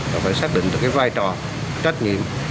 và phải xác định được vai trò trách nhiệm